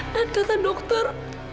dan kata dokter